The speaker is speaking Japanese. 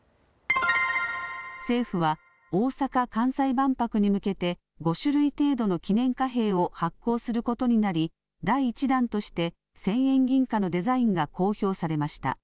政府は大阪・関西万博に向けて５種類程度の記念貨幣を発行することになり第１弾として１０００円銀貨のデザインが公表されました。